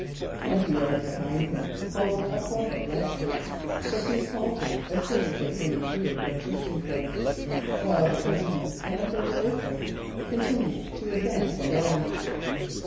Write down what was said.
Twenty yards behind him followed a clump of lances; but these halted as soon as they came in view of the trysting place, while the gentleman in the fur surcoat continued to advance alone.